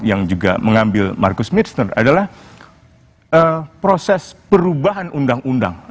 yang juga mengambil marcus mirster adalah proses perubahan undang undang